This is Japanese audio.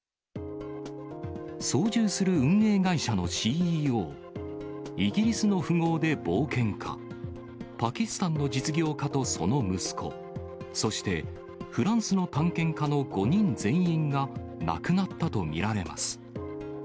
操縦する運営会社のＣＥＯ、イギリスの富豪で冒険家、パキスタンの実業家とその息子、そしてフランスの探検家の５人全員が亡くなったと見られます。